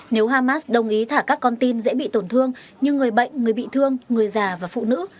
nếu hamas đồng ý thả các con tin dễ bị tổn thương như người bệnh người bị thương người già và phụ nữ